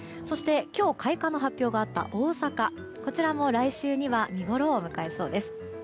そして、開花の発表があった大阪こちらも来週には見ごろを迎えそうです。